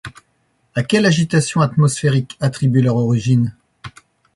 À quelle agitation atmosphérique attribuer leur origine ?